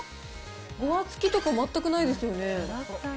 ごわつきとか全くないですよね。